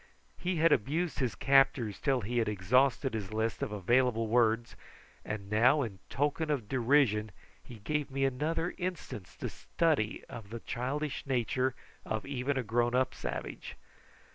He had abused his captors till he had exhausted his list of available words, and now in token of derision he gave me another instance to study of the childish nature of even a grown up savage.